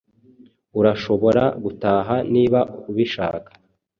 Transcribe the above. Urashobora gutaha niba ubishaka.